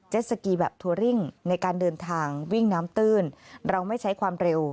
สกีแบบทัวริ่งในการเดินทางวิ่งน้ำตื้นเราไม่ใช้ความเร็ว